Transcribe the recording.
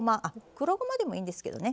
黒ごまでもいいんですけどね